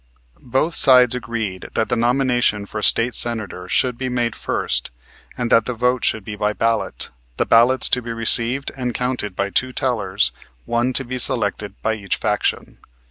Both sides agreed that the nomination for State Senator should be made first and that the vote should be by ballot, the ballots to be received and counted by two tellers, one to be selected by each faction.